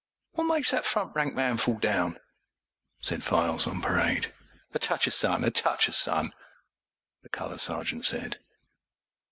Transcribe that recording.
âWhat makes that front rank man fall down?â said Files on Parade. âA touch o' sun, a touch o' sunâ, the Colour Sergeant said.